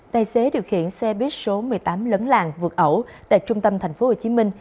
tài xế điều khiển xe buýt số một mươi tám lấn làng vượt ẩu tại trung tâm thành phố hồ chí minh